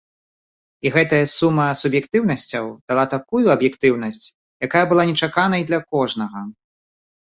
І гэтая сума суб'ектыўнасцяў дала такую аб'ектыўнасць, якая была нечаканай для кожнага.